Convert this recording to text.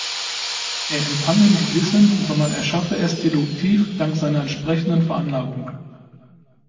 Er empfange nicht Wissen, sondern erschaffe es deduktiv dank seiner entsprechenden Veranlagung.